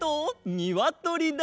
にわとりだ！